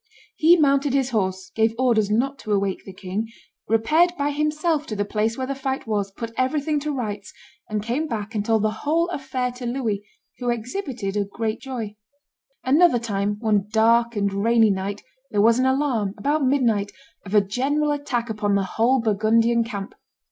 He mounted his horse, gave orders not to awake the king, repaired by himself to the place where the fight was, put everything to rights, and came back and told the whole affair to Louis, who exhibited great joy. Another time, one dark and rainy night, there was an alarm, about midnight, of a general attack upon the whole Burgundian camp.